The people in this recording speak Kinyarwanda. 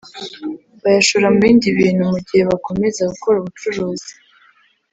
bayashora mu bindi bintu mu gihe bakomeza gukora ubucuruzi